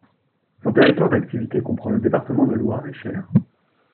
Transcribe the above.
Son territoire d'activité comprend le département de Loir-et-Cher.